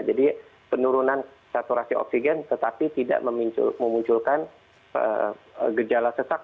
jadi penurunan saturasi oksigen tetapi tidak memunculkan gejala sesak